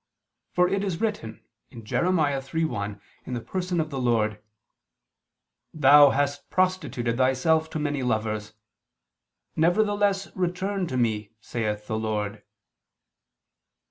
For it is written (Jer. 3:1) in the person of the Lord: "Thou hast prostituted thyself to many lovers; nevertheless return to Me saith the Lord."